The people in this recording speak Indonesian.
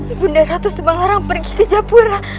ibu nara subanglarang pergi ke japur